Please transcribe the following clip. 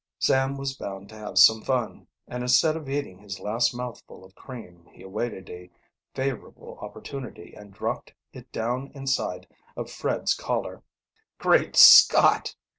Sam was bound to have some fun, and instead of eating his last mouthful of cream he awaited a favorable opportunity and dropped it down inside of Fred's collar. "Great Scott!"